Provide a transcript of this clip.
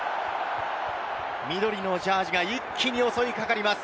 緑のジャージーが一気に襲いかかります。